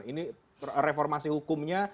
ini reformasi hukumnya